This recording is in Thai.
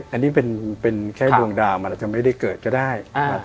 อันนี้เป็นแค่ดวงดาวมันอาจจะไม่ได้เกิดก็ได้